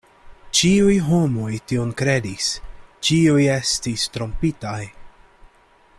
Ĉiuj homoj tion kredis; ĉiuj estis trompitaj.